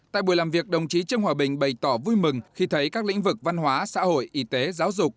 tại buổi làm việc đồng chí trương hòa bình bày tỏ vui mừng khi thấy các lĩnh vực văn hóa xã hội y tế giáo dục